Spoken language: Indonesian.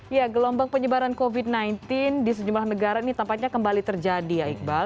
ya gelombang penyebaran covid sembilan belas di sejumlah negara ini tampaknya kembali terjadi ya iqbal